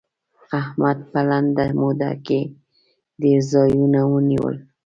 احمد په لنډه موده کې ډېر ځايونه ونيول.